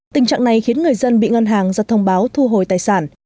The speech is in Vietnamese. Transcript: tình trạng này khiến người dân bị ngân hàng ra thông báo thu hồi tài sản